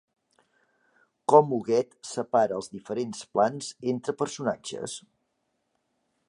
Com Huguet separa els diferents plans entre personatges?